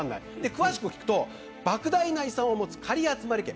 詳しく聞くと莫大な遺産を持つ狩集家。